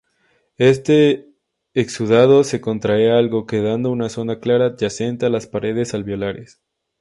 Este exudado se contrae algo, quedando una zona clara adyacente a las paredes alveolares.